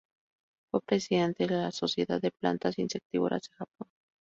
Fue Presidente de la "Sociedad de Plantas Insectívoras de Japón".